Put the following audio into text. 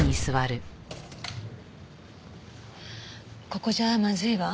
ここじゃまずいわ。